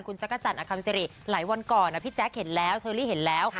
คุณจักรจันทร์อคัมซิริหลายวันก่อนพี่แจ๊คเห็นแล้วเชอรี่เห็นแล้ว